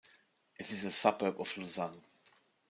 It is a suburb of Lausanne.